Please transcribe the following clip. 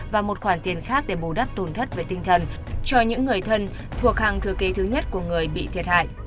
và một khoản tiền khác để bù đắp tổn thất về tinh thần cho những người thân thuộc hàng thừa kế thứ nhất của người bị thiệt hại